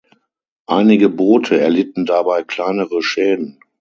Einige Boote erlitten dabei kleinere Schäden.